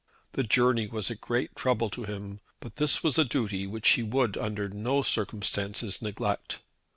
The journey was a great trouble to him, but this was a duty which he would under no circumstances neglect.